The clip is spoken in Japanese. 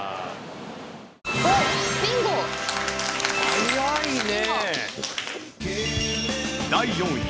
早いね！